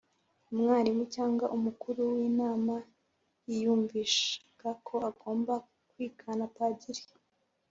umwalimu cyangwa umukuru w'inama yiyumvishaga ko agomba kwigana padiri